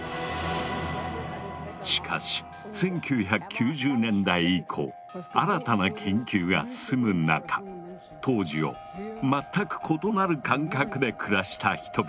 しかし１９９０年代以降新たな研究が進む中当時を全く異なる感覚で暮らした人々が告白し始めた。